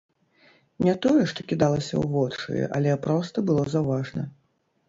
Не тое, што кідалася ў вочы, але проста было заўважна.